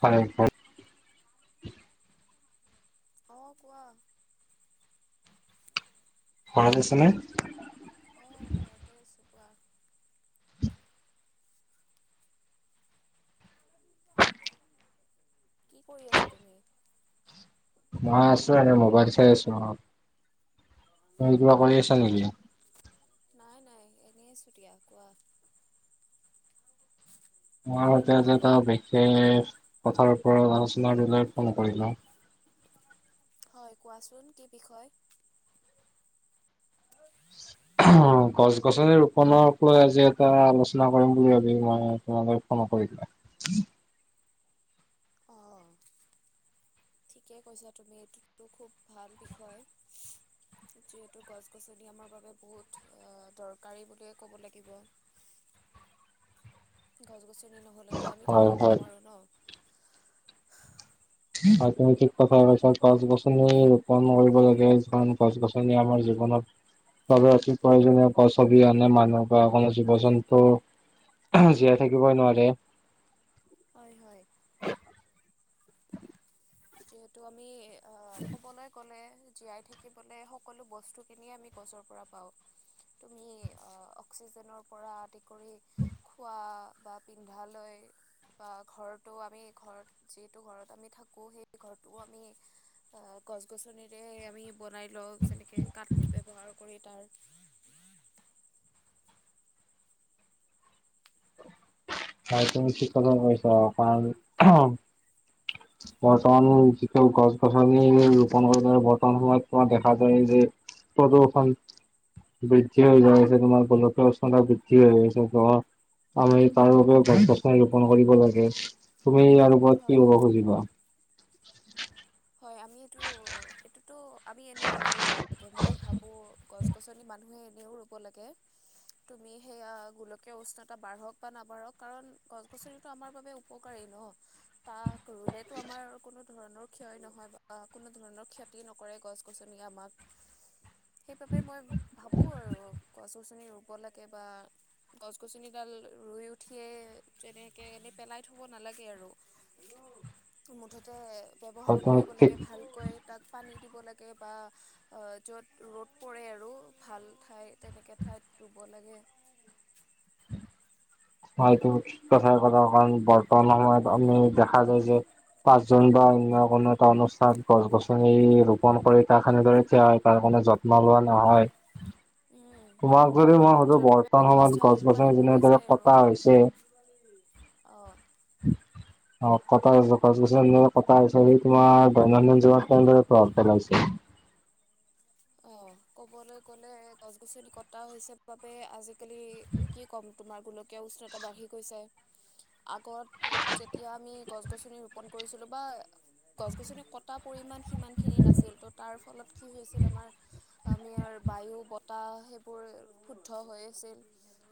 হয় হয় অ কোৱা ঘৰত আছা নে? অ, ঘৰতে আছো কোৱা? কি কৰি আছা তুমি? মই আছো এনে মোবাইল চাই আছো অ, তুমি কিবা কৰি আছা নেকি? নাই-নাই এনেই আছো দিয়া কোৱা? [unintelligible] বিশেষ কথাৰ উপৰত আলোচনা কৰিবলৈ ফোন কৰিলো। হয় কোৱাচোন কি বিষয়? [unintelligible] গছ-গছনি ৰোপণক লৈ আজি এটা আলোচনা কৰিম বুলি ভাবি মই তোমালৈ ফোন কৰিলো। [inaudible] অ', ঠিকে কৈছা তুমি এইটোতো খুব ভাল বিষয়। যিহেতু গছ-গছনি আমাৰ বাবে বহুত অ, দৰকাৰী বুলিয়ে ক'ব লাগিব। গছ-গছনি নহ'লেতো আমি হয় থাকিব হয় নোৱাৰো ন'? হয় তুমি ঠিক কথাই কৈছা গছ-গছনি ৰোপন কৰিব লাগে যিমান গছ-গছনি আমাৰ জীৱনত বাবে অতি প্ৰয়োজনীয় গছ অবিহনে মানুহ বা কোনো জীৱ-জন্তু [unintelligible] জীয়াই থাকিবই নোৱাৰে। অয় হয়। যিহেতু আমি আ কবলৈ গ'লে জীয়াই থাকিবলে সকলো বস্তুখিনিয়ে আমি গছৰ পৰা পাওঁ। তুমি আ-অক্সিজেনৰ পৰা আদি কৰি খোৱা বা পিন্ধালৈ বা ঘৰতো আমি ঘৰত যিটো ঘৰত আমি থাকোঁ সেই ঘৰটোও আমি আহ গছ-গছনিৰে আমি বনাই লওঁ যেনেকে কাঠ ব্যৱহাৰ কৰি তাৰ হয় তুমি ঠিক [unintelligible] কৈছো কাৰণ বৰ্তমান যিটো গছ -গছনি ৰোপন কৰিবলৈ বৰ্তমান সময়ত তোমাৰ দেখা যায় যে প্ৰদূষন বৃদ্ধি হৈ যাই আছে তোমাৰ গোলকীয় উষ্ণতা বৃদ্ধি হৈ যাই আছে ত' আমি তাৰ বাবেও গছ-গছনি ৰোপন কৰিব লাগে তুমি ইয়াৰ ওপৰত কি হয় ক'ব হয় খুজিবা? হয় আমি এইটো-এইটোতো আমি এনেও কৰিব লাগে মই ভাবো গছ-গছনি মানুহে এনেও ৰুব লাগে তুমি সেইয়া গোলকীয় উষ্ণতা বাঢ়ক বা নাবাঢ়ক কাৰণ গছ-গছনি তো আমাৰ বাবে উপকাৰী ন, তাক ৰুলেতো আমাৰ কোনো ধৰণৰ ক্ষয় নহয় বা কোনো ধৰণৰ ক্ষতি নকৰে গছ- গছনিয়ে আমাক সেইবাবে মই ভাবো আৰু গছ-গছনি ৰুব লাগে বা গছ-গছনি ডাল ৰুই উঠিয়ে যেনেকে এনেই পেলাই থব নালাগে আৰু। তো মুঠতে ব্যৱহাৰ কৰিব ঠিক লাগে ভালকৈ। তাত পানী দিব লাগে বা অ, য'ত ৰ'দ পৰে আৰু ভাল ঠাই তেনেকে ঠাইত [unintelligible] ব লাগে। হয় এইটো কথাই কথা কাৰণ বৰ্তমান সময়ত আমি দেখা যায় যে পাঁচজন বা অন্য কোনো এটা অনুষ্ঠান গছ- গছনি ৰোপন কৰি তাত সেনেদৰে থিয় হয় তাৰ কাৰনে যত ত্ন লোৱা নহয়। উম, তোমাক যদি মই সুধো যাৰ বাবে বৰ্তমান সময়ত গছ গছনি মানে মৰি যেনেদৰে যায় আৰু কটা হৈছে অ', অ, কটা গছ - গছ -গছনি [unintelligible] দৈনন্দিন [unintelligible] আছে। অ, ক'বলৈ গ'লে গছ-গছনি কটা হৈছে বাবে আজিকালি কি ক'ম, তোমাৰ গোলকীয় উষ্ণতা বাঢ়ি গৈছে। আগত যেতিয়া আমি গছ-গছনি ৰোপন কৰিছিলো বা গছ-গছনি কটা পৰিমান সিমান খিনি নাছিল, ত', তাৰ ফলত কি হৈছিল তোমাৰ [unintelligible] বায়ু, বতাহ সেইবোৰ শুদ্ধ হৈ আছিল।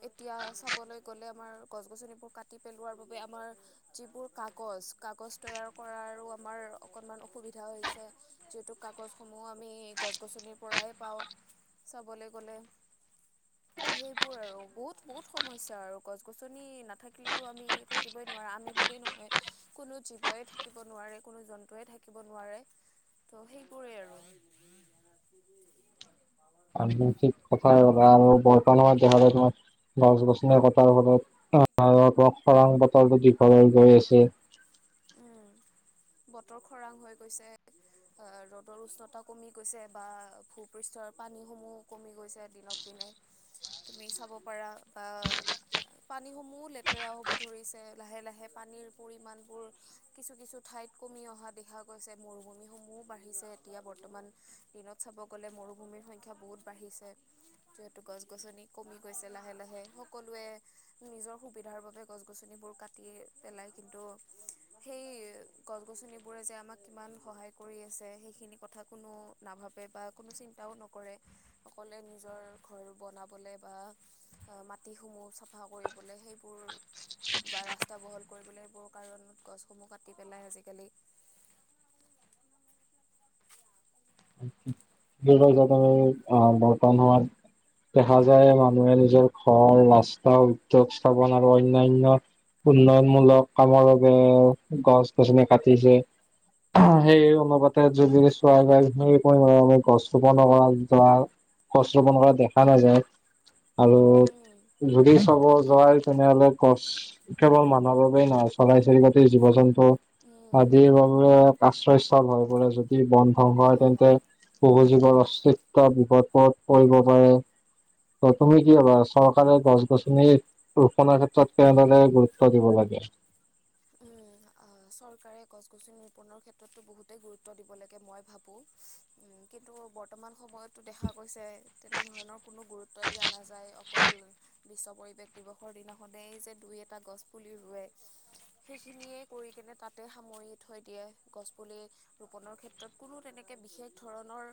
এতিয়া চাবলৈ গ'লে, আমাৰ গছ-গছনিবোৰ কাটি পেলোৱাৰ বাবে আমাৰ যিবোৰ কাগজ, কাগজ তৈয়াৰ কৰাৰো আমাৰ অকনমান অসুবিধা হৈছে। যিহেতু কাগজসমূহ আমি গছ-গছনিৰ পৰাই পাওঁ, চাবলৈ গ'লে। [inaudible] সেইবোৰ আৰু বহুত-বহুত সমস্যা আৰু, গছ-গছনি নাথাকিলেতো আমি থাকিবই নোৱাৰা। আমি বুলি নহয়, কোনো জীৱই থাকিব নোৱাৰে, কোনো জন্তুৱে থাকিব নোৱাৰে। ত, সেইবোৰেই আৰু। [unintelligible] গছ-গছনি কটাৰ ফলত আহ, খৰাং বতৰটো দীঘল হৈ গৈ আছে। [inaudible] উম বতৰ খৰাং হৈ গৈছে। অ, ৰ'দৰ উষ্ণতা কমি গৈছে বা ভূপৃষ্ঠৰ পানীসমূহ কমি গৈছে দিনক দিনে, তুমি চাব পাৰা বা পানীসমূহ লেতেৰা হ'ব ধৰিছে, লাহে-লাহে পানীৰ পৰিমণ বোৰ কিছু-কিছু ঠাইত কমি অহা দেখা গৈছে, মৰুভূমিসমূহো বাঢ়িছে এতিয়া বৰ্তমান দিনত চাব গ'লে মৰুভূমিৰ সংখ্যা বহুত বাঢ়িছে। যিহেতু গছ-গছনি কমি গৈছে লাহে-লাহে সকলোৱে নিজৰ সুবিধাৰ বাবে গছ-গছনিবোৰ কাটি পেলাই, কিন্তু সেই গছ-গছনিবোৰে যে আমাক কিমান সহায় কৰি আছে, সেইখিনি কথা কোনো নাভাবে বা কোনো চিন্তাও নকৰে, সকলোৱে নিজৰ ঘৰ বনাবলে বা মাটিসমূহ চাফা কৰিবলে সেইবোৰ বা ৰাস্তা বহল কৰিবলৈ, এইবোৰ কাৰণত গছসমূহ কাটি পেলাই আজিকালি। [inaudible] [unintelligible] দেখা যায়, মানুহে নিজৰ ঘৰ, ৰাস্তা, উদ্যোগ স্থাপন আৰু অন্যান্য উন্নয়নমূলক কামৰ বাবে গছ-গছনি কাটিছে। সেই অনুপাতে যদিও চোৱা যায় [unintelligible] গছ ৰোপন কৰা, ধৰা, গছ ৰোপন কৰা দেখা নাযায় আৰু উম যদি চাব যোৱাই তেনেহ'লে গছ কেৱল মানুহৰ বাবেই নহয়, চৰাই-চিৰিকতি, জীৱ-জন্তু উম আদিৰ বাবে আশ্ৰয় স্থল হৈ পৰে, যদি বন্ধ হয়, তেন্তে বহু জীৱৰ অস্তিত্ব বিপদত পৰিব পাৰে। ত, তুমি কি ভাবা চৰকাৰে গছ-গছনিৰ ৰোপণৰ ক্ষেত্ৰত কেনেদৰে গুৰুত্ব দিব লাগে? উম, অ। চৰকাৰে গছ-গছনি ৰূপনৰ ক্ষেত্ৰতো বহুতেই গুৰুত্ব দিব লাগে, মই ভাবো। উম, কিন্তু বৰ্তমান সময়ত টো দেখা গৈছে, তেনেধৰণৰ কোনো গুৰুত্ব দিয়া নাযায়, অকল বিশ্ব পৰিৱেশ দিৱসৰ দিনাখনেই যে দুই-এটা গছ পুলি ৰুৱে, সেইখিনিয়ে কৰি কিনে তাতে সামৰি থৈ দিয়ে গছ পুলি ৰোপনৰ ক্ষেত্ৰত কোনো তেনেকে বিশেষ ধৰণৰ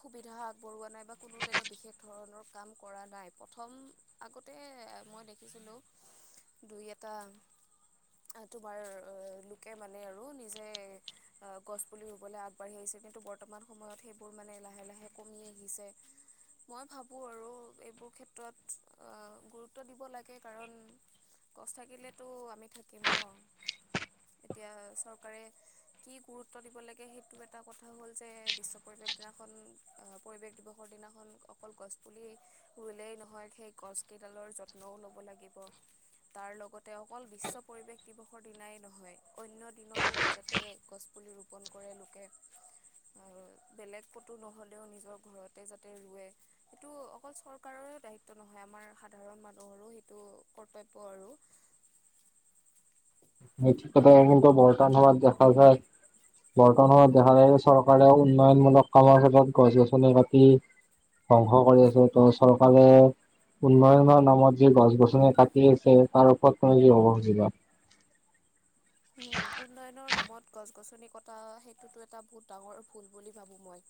সুবিধা আগবঢ়োৱা নাই বা কোনো তেনে বিশেষ ধৰণৰ কাম কৰা নাই, প্ৰথম আগতে মই দেখিছিলোঁ দুই এটা তোমাৰ অ লোকে মানে আৰু নিজে অ গছ পুলি ৰুবলৈ আগ আগবাঢ়ি আহিছে, কিন্তু বৰ্তমান সময়ত সেইবোৰ মানে লাহে লাহে কমি আহিছে মই ভাবোঁ আৰু এইবোৰ ক্ষেত্ৰত আ গুৰুত্ব দিব লাগে কাৰণ গছ থাকিলেতো আমি থাকিম ন। এতিয়া চৰকাৰে কি গুৰুত্ব দিব লাগে সেইটো এটা কথা হ'ল যে বিশ্ব পৰিৱেশ দিনাখন পৰিৱেশ দিৱসৰ দিনাখন অকল গছপুলি ৰুলেই নহয় সেই গছ কেইডালৰ যত্নও ল'ব লাগিব, তাৰ লগতে অকল বিশ্ব পৰিৱেশ দিৱস দিনাই নহয় অন্য দিনতো যাতে গছপুলি ৰোপণ কৰে লোকে আৰু বেলেগ কটো নহ'লেও নিজৰ ঘৰতে যাতে ৰুৱে। সেইটো অকল চৰকাৰৰে দায়িত্ব নহয়, আমাৰ সাধাৰণ মানুহৰো সেইটো কৰ্তব্য আৰু। [unintelligible] কথা কিন্তু বৰ্তান সমমত দেখা যায় বৰ্তমান সময়ত দেখা যায় যে চৰকাৰেও উন্নয়নমূলক কামৰ ক্ষেত্ৰত গছ-গছনি কাটি ধ্বংস কৰি আছে ত' চৰকাৰে উন্নয়নৰ নামত যি গছ-গছনি কাটি আছে তাৰ ওপৰত তুমি কি ক'ব খুজিবা? উম উন্নয়নৰ নামত গছ-গছনি কটা সেইটোতো এটা বহুত ডাঙৰ ভুল বুলি ভাবোঁ মই।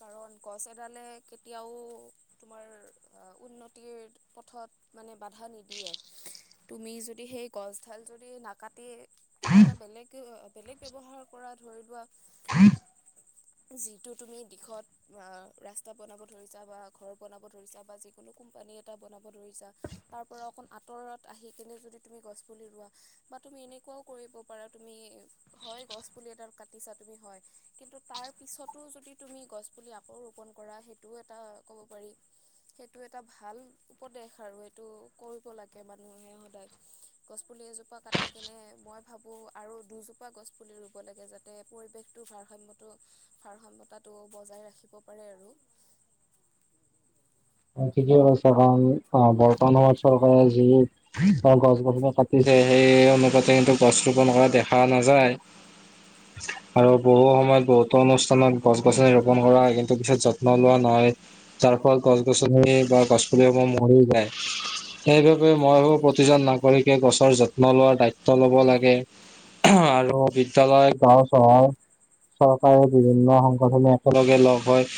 কাৰণ গছ এডালে কেতিয়াও তোমাৰ উন্নতিৰ পথত মানে বাধা নিদিয়ে। তুমি যদি সেই গছডাল যদি নাকাটি কিবা এটা বেলেগ বেলেগ ব্যৱহাৰ কৰা ধৰি লোৱা যিটো তুমি দিশত বা ৰাস্তা বনাব ধৰিছা বা ঘৰ বনাব ধৰিছা বা যিকোনো কোম্পানী এটা বনাব ধৰিছা তাৰ পৰা অকণ আঁতৰত আহি কেনে যদি তুমি গছ পুলি ৰুৱা বা তুমি এনেকুৱাও কৰিব পাৰা তুমি হয় গছ পুলি এডাল কাটিছা তুমি হয়, কিন্তু তাৰ পিছতো যদি তুমি গছ পুলি আকৌ ৰোপন কৰা সেইটোও এটা ক'ব পাৰি সেইটো এটা ভাল উপদেশ আৰু এইটো কৰিব লাগে মানুহে সদায়। গছপুলি এজোপা কাটি কেনে মই ভাবোঁ আৰু দুজোপা গছ পুলি ৰুব লাগে যাতে পৰিৱেশটো ভাৰসাম্যটো ভাৰসাম্যতাত টো বজাই ৰাখিব পাৰে আৰু। ঠিকেই কৈছা কাৰণ অ বৰ্তমান সময়ত চৰকাৰে যি অ গছ-গছনি কাটিছে সেই অনুপাতে কিন্তু গছ ৰোপন কৰা দেখা নাযায় [inaudible] আৰু বহু সময়ত বহুতো অনুষ্ঠানত গছ-গছনি ৰোপন কৰা হয় কিন্তু পিছত যত্ন লোৱা নহয়। তাৰ ফলত গছ-গছনি বা গছ পুলিসমূহ মৰি যায়। উম, সেইবাবে মই ভাবোঁ সেইটোৱে প্ৰতিজন নাগৰিকে গছৰ যত্ন লোৱাৰ দায়িত্ব ল'ব লাগে। আৰু সেইটোৱে বিদ্যয়ালয়, গাঁও, চহৰ চৰকাৰে বিভিন্ন সংগঠনে একেলগে লগ হৈ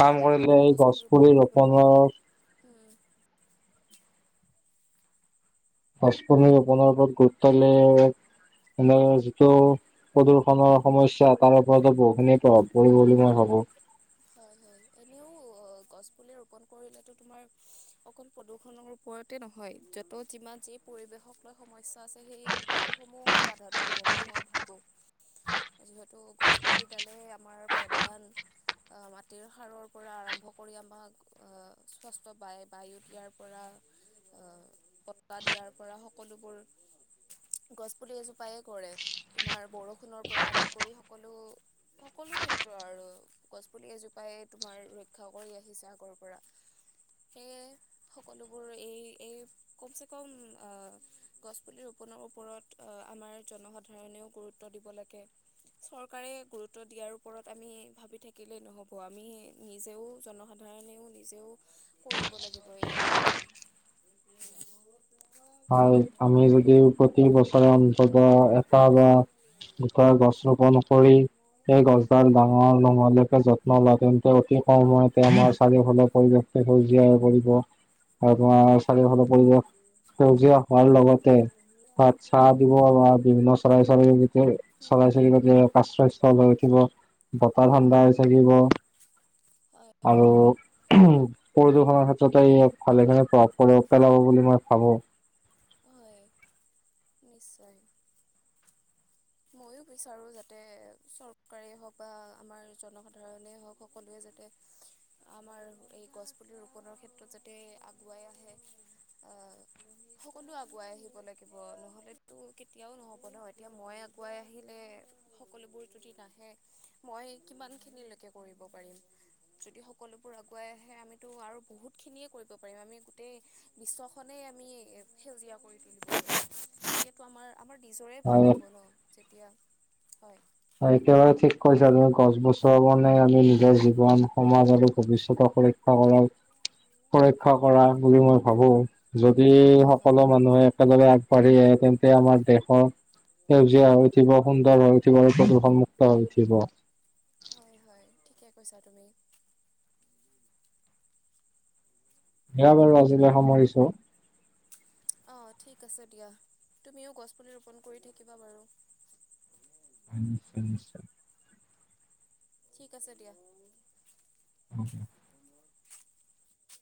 কাম কৰিলে এই গছ গছপুলি ৰোপণ পুলি কৰিব লাগে ৰোপনৰ উম। গছপুলি ৰোপণৰ ওপৰত গুৰুত্ব দিলে মানে যিটো প্ৰদূৰষণৰ সমস্যা তাৰ ওপৰতো বহুখিনি প্ৰভাৱ পৰিব বুলি মই ভাবোঁ। হয় হয়। এনেও গছ পুলি ৰোপন কৰিলেটো তোমাৰ অকল প্ৰদূষণৰ ওপৰতে নহয়। য'ত যিমান যি পৰিৱেশক লৈ সমস্যা আছে সেই সকলোসমূহ সমাধান হ'ব বুলি মই ভাবোঁ। যিহেতু গছপুলি ডালেই আমাৰ প্ৰধান আঁ, মাটিৰ সাৰৰ পৰা আৰম্ভ কৰি আমাক অঁ স্বচ্ছ বায়, বায়ু দিয়াৰ পৰা অঁ, বতাহ দিয়াৰ পৰা সকলোবোৰ গছপুলি এজোপাই কৰে, তোমাৰ বৰষুণৰ পৰা আদি কৰি সকলো সকলো ক্ষেত্ৰ আৰু গছ পুলি এজোপাই তোমাৰ ৰক্ষা কৰি আহিছে, আগৰ পৰা। সেয়ে, সকলোবোৰ এই এই কমচে কম আ গছপুলি ৰোপণৰ ওপৰত অ আমাৰ জনসাধাৰণেয়ো গুৰুত্ব দিব লাগে। চৰকাৰে গুৰুত্ব দিয়াৰ ওপৰত আমি ভাবি থাকিলেই নহ'ব। আমি নিজেয়ো জনসা ধাৰণেও নিজেও কৰিব লাগিব এইসমূহ কাম। [inaudible] বৰষুণত হয়, আমি যদি প্ৰতি বছৰে অন্তত এটা বা দুটা গছ ৰোপণ কৰি সেই গছডাল ডাঙৰ নোহালৈকে যত্ন লয়, তেন্তে অতি কম সময়তে আমাৰ চাৰিওফালে পৰিৱেশ সে সেউজীয়া হৈ পৰিব, আৰু তোমাৰ চাৰিওফালৰ পৰিৱেশ [unintelligible] সেউজীয়া হোৱাৰ লগতে, তাত ছাঁ দিব বা বিভিন্ন চৰাই চিৰিকটিয়ে উম। চৰাই চিৰিকটিৰ আশ্ৰয় স্থল হৈ উঠিব, বতাহ হয় ঠাণ্ডা হৈ হয় থাকিব। হয় আৰু হয়। প্ৰদূষণৰ ক্ষেত্ৰতে ই ভালেখিনি প্ৰভাৱ পৰিব, পেলাব বুলি মই ভাবোঁ। হয়, নিশ্চয়। ময়ো বিচাৰো, যাতে চৰকাৰেই হওঁক বা আমাৰ জনসাধাৰণেই হওঁক সকলোৱে যাতে [inaudible] আমাৰ এই গছ পুলি ৰোপণৰ ক্ষেত্ৰত, যাতে আগুৱাই আহে। আ সকলো আগুৱাই আহিব লাগিব। নহ'লেতো কেতিয়াও নহ'ব ন, এতিয়া মই আ গুৱাই আহিলে সকলোবোৰ যদি নাহে, মই কিমান খিনিলৈকে কৰিব পাৰিম। যদি সকলোবোৰ আগুৱাই আহে, আমিতো আৰু বহুত খিনিয়ে কৰিব পাৰিম। আমি গোটেই বিশ্বখনেই আমি সেউজীয়া কৰি তুলিব পাৰিম, সেইটো আমাৰ আমাৰ নিজৰে হয় ভাল হ'ব ন, যেতিয়া হয়। হয়, একেবাৰে ঠিক কৈছা তুমি, গছ বচোৱা কাৰণে আমি নিজৰ জীৱন, সমাজ আৰু ভৱিষ্যতৰ সুৰক্ষা কৰা, সুৰক্ষা কৰা বুলি মই ভাবোঁ। যদি, হয় হয় সকলো মানুহে একলগে আগবাঢ়ি আহে, তেন্তে, আমাৰ দেশৰ সেউজীয়া হৈ উঠিব, সুন্দৰ হৈ উ ঠিব আৰু প্ৰদূষণ মু উম, হয় হয় ঠিকে কৈছা তুমি। এয়া বাৰু আজিলৈ সামৰিছো। অঁ, ঠিক আছে দিয়া, তুমিও গছ পুলি ৰোপণ কৰি থাকিবা বাৰু। [inaudible] ঠিক আছে দিয়া। অ'কে।